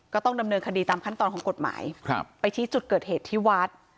ก็ต้องดำเนินคดีตามขั้นตอนของกฎหมายไปชี้จุดเกิดเหตุที่วัด